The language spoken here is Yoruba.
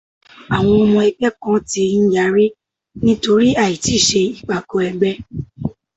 Àwọn ọmọ ẹgbẹ́ kan ti n yarí nítorí àìtí ṣe ìpàgọ́ ẹgbẹ́.